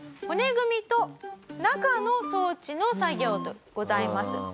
骨組みと中の装置の作業でございます。